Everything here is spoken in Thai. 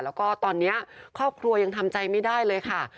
แล้วก็ตอนนี้ครอบครัวยังทำใจไม่ได้เลยค่ะ